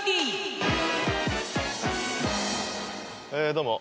どうも。